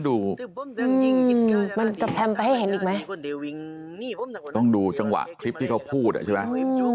ถึงดูจังหวะทิพที่เขาพูดแล้วใช่ไหม